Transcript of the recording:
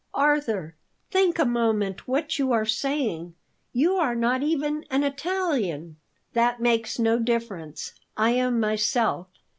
"Arthur, think a moment what you are saying! You are not even an Italian." "That makes no difference; I am myself.